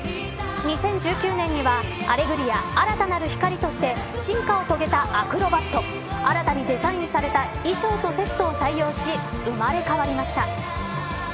２０１９年にはアレグリア新たなる光として進化を遂げたアクロバット新たにデザインされた衣装を採用し生まれ変わりました。